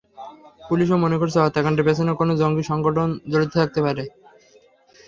পুলিশও মনে করছে, হত্যাকাণ্ডের পেছনে কোনো জঙ্গি সংগঠন জড়িত থাকতে পারে।